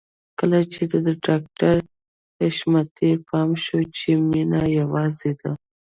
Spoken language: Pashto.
کله چې د ډاکټر حشمتي پام شو چې مينه يوازې ده.